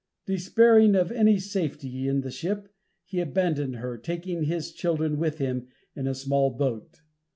Despairing of any safety in the ship, he abandoned her, taking his children with him in a small boat.